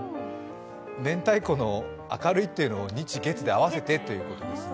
明太子の明るいっていうの日月で合わせてということですね。